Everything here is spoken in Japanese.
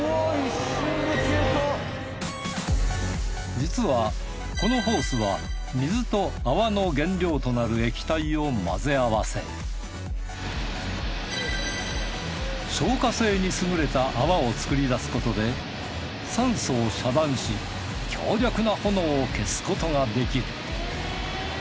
実はこのホースは水と泡の原料となる液体を混ぜ合わせ消火性に優れた泡を作りだすことで酸素を遮断し強力な炎を消すことができる